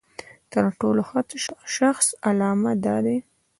د تر ټولو ښه شخص علامه دا ده.